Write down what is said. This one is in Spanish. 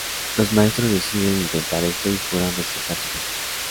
Los maestros deciden intentar esto y juran respetar su pacto.